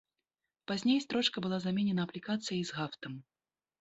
Пазней строчка была заменена аплікацыяй з гафтам.